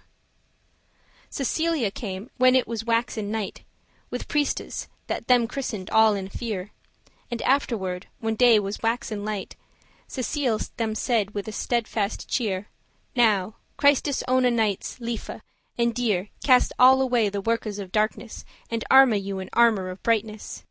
*believe Cecilia came, when it was waxen night, With priestes, that them christen'd *all in fere;* *in a company* And afterward, when day was waxen light, Cecile them said with a full steadfast cheer,* *mien "Now, Christe's owen knightes lefe* and dear, *beloved Cast all away the workes of darkness, And arme you in armour of brightness.